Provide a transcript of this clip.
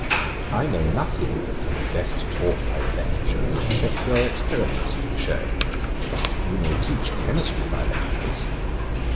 I know nothing that can be best taught by lectures, except where experiments are to be shewn. You may teach chymistry by lectures.